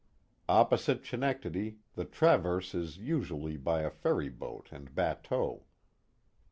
Opposite Chenectadi the traverse is usually by a ferry boat and bateaux.